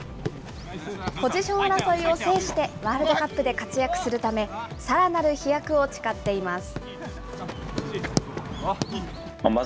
ポジション争いを制して、ワールドカップで活躍するため、さらなる飛躍を誓っています。